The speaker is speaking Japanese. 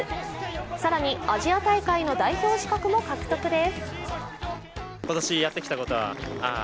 更に、アジア大会の代表資格も獲得です。